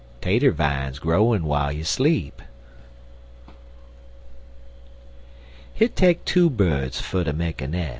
Tater vine growin' w'ile you sleep. Hit take two birds fer to make a nes'.